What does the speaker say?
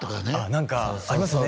何かありますよね